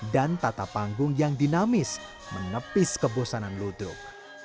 dan tata panggung yang dinamis menepis kebosanan ludruk